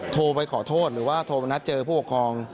โทรไปขอโทษหรือว่าโทรมานัดเจอผู้ปกครอง